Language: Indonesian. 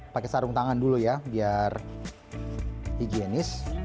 pakai sarung tangan dulu ya biar higienis